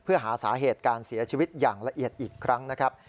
เพื่อหาสาเหตุการเสียชีวิตอย่างละเอียดอีกครั้งนะครับ